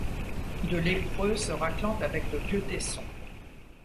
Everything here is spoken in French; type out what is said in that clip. De lépreux se raclant avec de vieux tessons